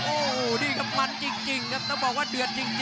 โอ้โหนี่ครับมันจริงครับต้องบอกว่าเดือดจริง